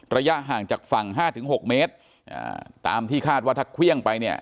ระยะห่างจากฝั่งห้าถึงหกเมตรอ่าตามที่คาดว่าถ้าเครื่องไปเนี่ย